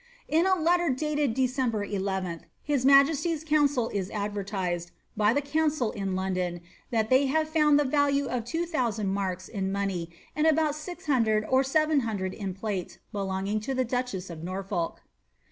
In a letter dated December 11th, his majesty's council is advertised, by the council in London, that they had found the value of 2000 marks in money, and about 600 or 700 in plate, belonging to the duchess of Norfolk.'